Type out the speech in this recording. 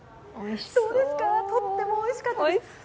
どうですか、とってもおいしかったです。